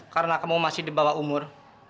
karena kamu masih di bawah umur